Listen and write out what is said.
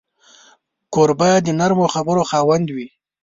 کوربه د نرمو خبرو خاوند وي.